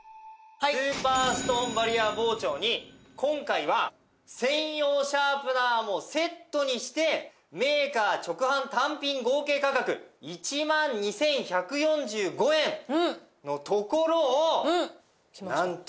スーパーストーンバリア包丁に今回は専用シャープナーもセットにしてメーカー直販単品合計価格１万２１４５円のところをなんと。